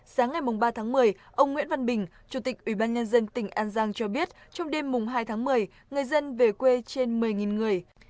sáng ngày ba tháng một mươi ông nguyễn văn bình chủ tịch ủy ban nhân dân tỉnh an giang cho biết trong đêm hai tháng một mươi người dân về quê trên một mươi người